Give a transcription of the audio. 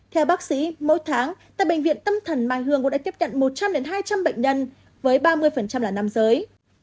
theo bác sĩ mỗi tháng tại bệnh viện tâm thần mai hương cũng đã tiếp cận một trăm linh hai trăm linh bệnh nhân với ba mươi là nam giới